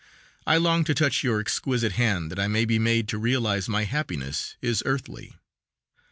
I long to touch your exquisite hand that I may be made to realize my happiness is earthly.